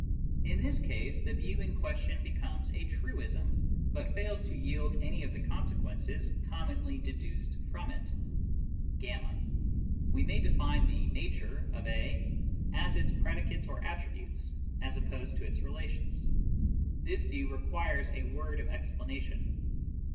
In this case, the view in question becomes a truism, but fails to yield any of the consequences commonly deduced from it. (y) We may define the "nature" of a as its predicates or attributes, as opposed to its relations. This view requires a word of explanation.